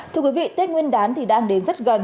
thưa quý vị tết nguyên đán thì đang đến rất gần